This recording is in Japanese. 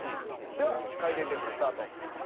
では回転テーブルスタート。